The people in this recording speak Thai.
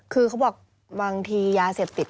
คือเขาบอกบางทียาเสพติด